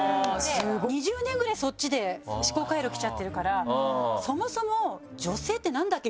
２０年ぐらいそっちで思考回路きちゃってるからそもそも女性って何だっけ？